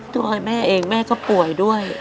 ตัวแม่เองแม่ก็ป่วยด้วย